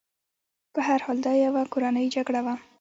په هر حال دا یوه کورنۍ جګړه وه.